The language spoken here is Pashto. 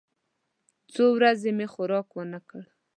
څو ورځې مې خوراک ونه کړ.